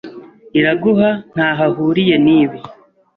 Iraguha ntaho ahuriye nibi.